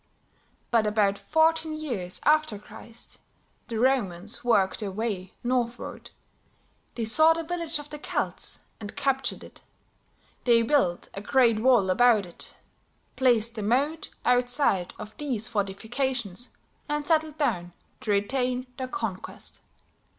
But about fourteen years after Christ, the Romans worked their way northward; they saw the village of the Celts and captured it. They built a great wall about it, placed a moat outside of these fortifications and settled down to retain their conquest.